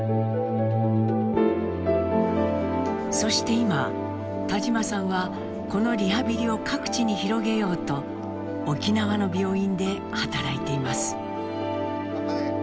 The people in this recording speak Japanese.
そして今田島さんはこのリハビリを各地に広げようと沖縄の病院で働いています。